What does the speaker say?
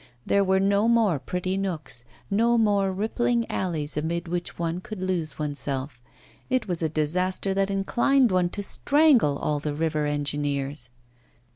There were no more pretty nooks, no more rippling alleys amid which one could lose oneself; it was a disaster that inclined one to strangle all the river engineers!